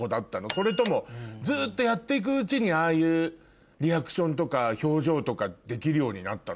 それともずっとやって行くうちにああいうリアクションとか表情とかできるようになったの？